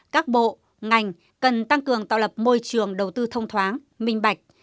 các bộ ngành cần tăng cường tạo lập môi trường đầu tư thông thoáng minh bạch